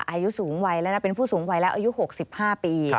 อายุสูงวัยแล้วนะเป็นผู้สูงวัยแล้วอายุ๖๕ปี